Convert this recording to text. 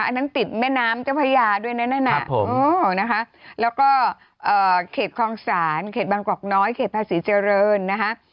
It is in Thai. อันนั้นติดแม่น้ำเจ้าพระยาด้วยนะนั่นน่ะนะคะแล้วก็เขตคลองศาลเขตบางกอกน้อยเขตภาษีเจริญนะคะ